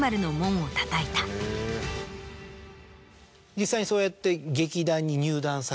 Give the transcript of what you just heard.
実際にそうやって。